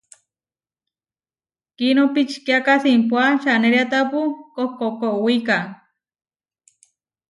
Kiʼnó pičikiáka simpuá čaneriátapu kohkókowika.